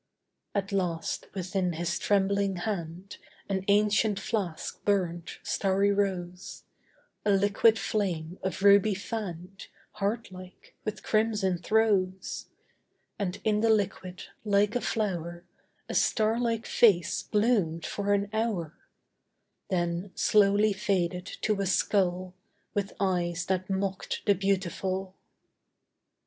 At last within his trembling hand An ancient flask burnt, starry rose; A liquid flame of ruby fanned, Heart like, with crimson throes: And in the liquid, like a flower, A starlike face bloomed for an hour, Then slowly faded to a skull With eyes that mocked the beautiful.